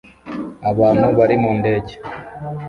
Abantu bari mu ndege